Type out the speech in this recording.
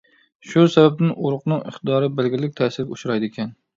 شۇ سەۋەبتىن ئۇرۇقنىڭ ئىقتىدارى بەلگىلىك تەسىرگە ئۇچرايدىكەن.